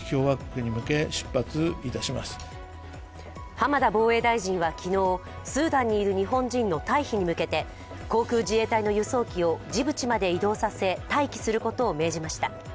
浜田防衛大臣は昨日、スーダンにいる日本人の退避に向けて、航空自衛隊の輸送機をジブチまで移動させ待機することを命じました。